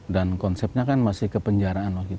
dan konsepnya kan masih kepenjaraan